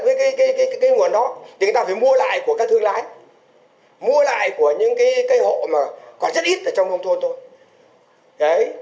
với cái nguồn đó thì người ta phải mua lại của các thương lái mua lại của những cái hộ mà còn rất ít ở trong nông thôn thôi